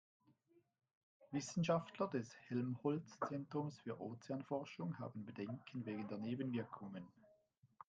Wissenschaftler des Helmholtz-Zentrums für Ozeanforschung haben Bedenken wegen der Nebenwirkungen.